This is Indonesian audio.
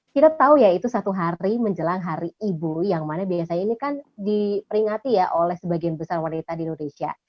kita tahu ya itu satu hari menjelang hari ibu yang mana biasanya ini kan diperingati ya oleh sebagian besar wanita di indonesia